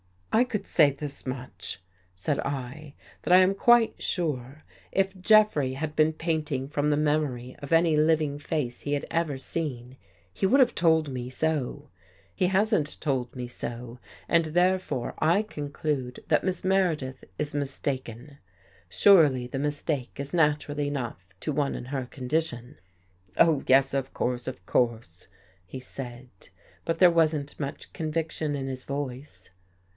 " I could say this much," said I, " that I am quite sure if Jeffrey had been painting from the memory of any living face he had ever seen, he would have told me so. He hasn't told me so, and therefore, I 59 THE GHOST GIRL conclude that Miss Meredith is mistaken. Surely the mistake is natural enough to one in her condi tion." " Oh, yes, of course, of course," he said. But there wasn't much conviction in his voice.